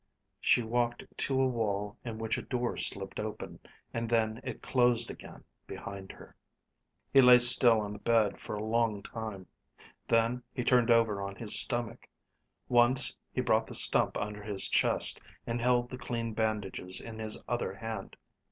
She walked to a wall in which a door slipped open, and then it closed again, behind her. He lay still on the bed for a long time. Then he turned over on his stomach. Once he brought the stump under his chest and held the clean bandages in his other hand.